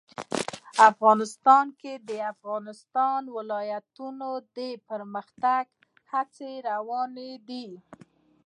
افغانستان کې د د افغانستان ولايتونه د پرمختګ هڅې روانې دي.